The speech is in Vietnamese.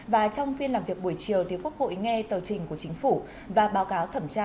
và trong phiên làm việc buổi chiều thì quốc hội nghe tờ trình của chính phủ và báo cáo thẩm tra